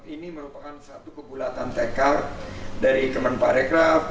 ini merupakan satu kegulatan tekar dari kementerian pariwisata